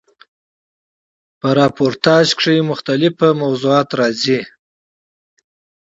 په راپورتاژ کښي مختلیف موضوعات راځي.